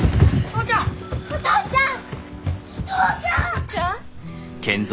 お父ちゃん！